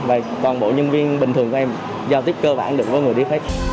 và toàn bộ nhân viên bình thường của em giao tiếp cơ bản được với người đi khách